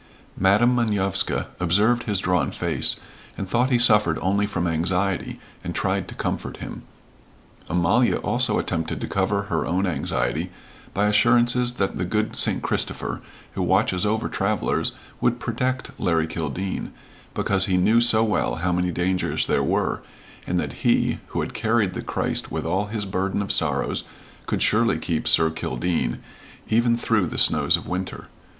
Madam Manovska observed his drawn face, and thought he suffered only from anxiety and tried to comfort him. Amalia also attempted to cover her own anxiety by assurances that the good St. Christopher who watches over travelers would protect Larry Kildene, because he knew so well how many dangers there were, and that he, who had carried the Christ with all his burden of sorrows could surely keep "Sir Kildene" even through the snows of winter.